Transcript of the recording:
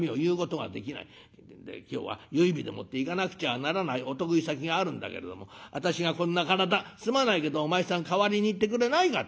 で今日は結い日でもって行かなくちゃならないお得意先があるんだけれども私がこんな体すまないけどお前さん代わりに行ってくれないかってえんでしょ。